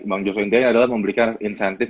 bang joswin ini adalah memberikan insentif